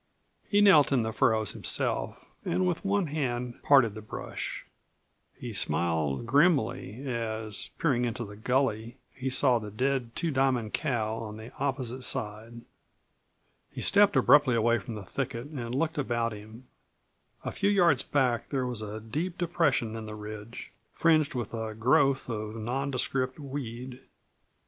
He knelt in the furrows himself and with one hand parted the brush. He smiled grimly as, peering into the gully, he saw the dead Two Diamond cow on the opposite side. He stepped abruptly away from the thicket and looked about him. A few yards back there was a deep depression in the ridge, fringed with a growth of nondescript weed.